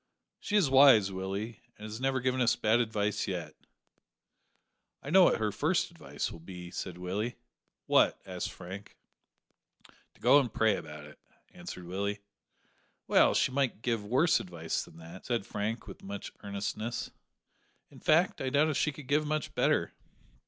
"She is wise, Willie, and has never given us bad advice yet." "I know what her first advice will be," said Willie. "What?" asked Frank. "To go and pray about it," answered Willie. "Well, she might give worse advice than that," said Frank, with much earnestness. "In fact, I doubt if she could give better."